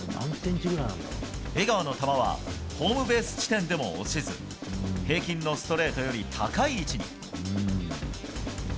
江川の球はホームベース地点でも落ちず平均のストレートより高い位置に。